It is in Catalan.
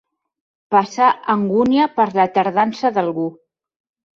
Passar angúnia per la tardança d'algú.